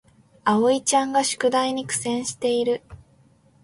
あおいちゃんが宿題に苦戦している